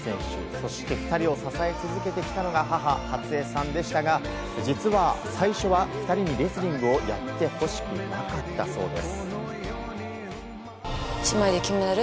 そして２人を支え続けてきたのが母・初江さんでしたが実は最初は２人にレスリングをやってほしくなかったそうです。